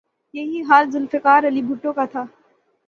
یہی حال ذوالفقار علی بھٹو کا تھا۔